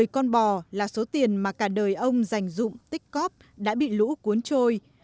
một mươi con bò là số tiền mà cả đời ông dành dụng tích cóp đã bị lũ cuốn trôi